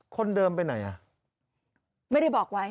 คนเดิมไปไหน